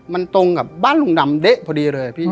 มันตรงกับบ้านลุงดำเด๊ะพอดีเลยพี่